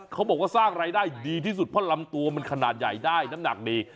เขาบอกว่าสร้างรายได้ดีที่สุดเพราะลำตัวมันขนาดใหญ่ได้น้ำหนักดี